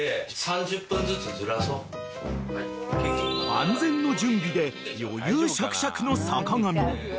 ［万全の準備で余裕しゃくしゃくの坂上］